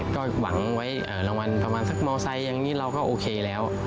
ก็หวังไว้รางวัลประมาณสักมอไซค์อย่างนี้เราก็โอเคแล้ว